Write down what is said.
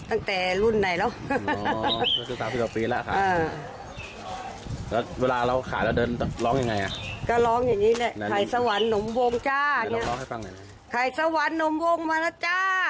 ลองร้องให้ฟังหน่อย